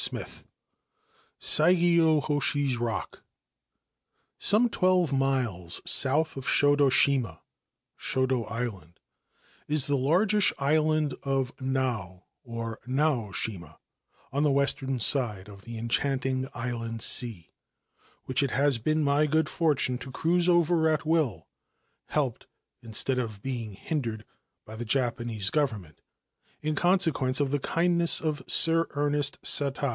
149 XXV SAIGYO HOSHI'S ROCK SOME twelve miles south of Shodo shima (Shodo island) the largish island of Nao or Naoshima, on the western si of the enchanting Inland Sea, which it has been my go< fortune to cruise over at will, helped, instead of bei; hindered, by the Japanese Government, in consequence the kindness of Sir Ernest Satow.